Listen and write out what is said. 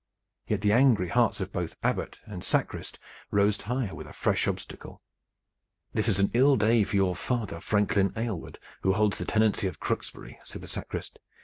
Yet the angry hearts of both Abbot and sacrist rose higher with a fresh obstacle. "This is an ill day for your father, Franklin Aylward, who holds the tenancy of Crooksbury," said the sacrist.